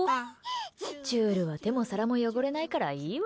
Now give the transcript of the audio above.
ちゅるは手も皿も汚れないからいいわ。